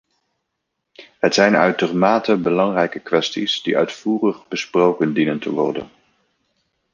Het zijn uitermate belangrijke kwesties die uitvoerig besproken dienen te worden.